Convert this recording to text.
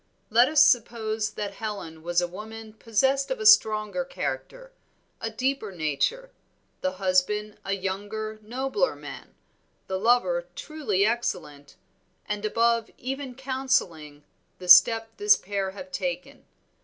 Let us suppose that Helen was a woman possessed of a stronger character, a deeper nature; the husband a younger, nobler man; the lover truly excellent, and above even counselling the step this pair have taken.